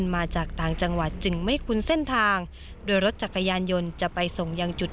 มีมาต่างจังหวัด